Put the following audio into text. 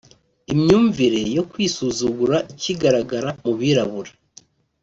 Imyumvire yo kwisuzugura ikigaragara mu Birabura